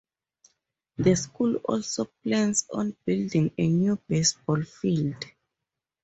The school also plans on building a new baseball field.